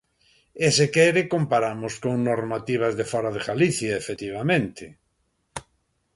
E se quere comparamos con normativas de fóra de Galicia, efectivamente.